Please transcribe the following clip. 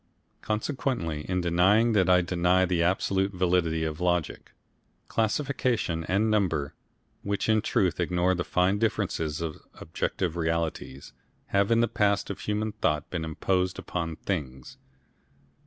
Consequently in denying that I deny the absolute validity of logic. Classification and number, which in truth ignore the fine differences of objective realities, have in the past of human thought been imposed upon things.